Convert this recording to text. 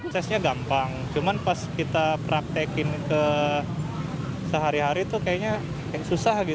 tesnya gampang cuman pas kita praktekin ke sehari hari tuh kayaknya susah